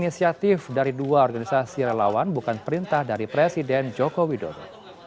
inisiatif dari dua organisasi relawan bukan perintah dari presiden joko widodo